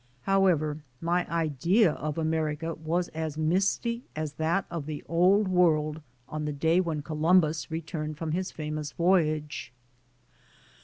However, my idea of America was as misty as that of the Old World on the day when Columbus returned from his famous voyage.